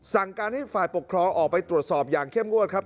สั่งการให้ฝ่ายปกครองออกไปตรวจสอบอย่างเข้มงวดครับ